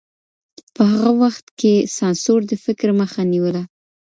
په هغه وخت کي سانسور د فکر مخه نيوله.